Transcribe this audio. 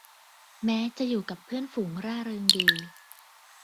แม้จะอยู่กับเพื่อนฝูงร่าเริงดี